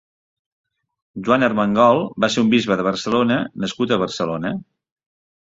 Joan Armengol va ser un bisbe de Barcelona nascut a Barcelona.